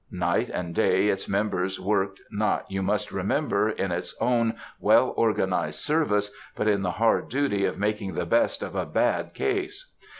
Night and day its members worked, not, you must remember, in its own well organized service, but in the hard duty of making the best of a bad case.